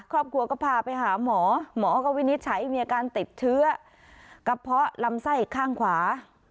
ครอบครัวก็พาไปหาหมอหมอก็วินิจฉัยมีอาการติดเชื้อกระเพาะลำไส้ข้างขวา